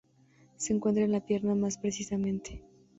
Se encuentra en la pierna más precisamente.